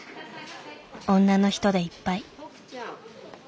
女の人でいっぱい。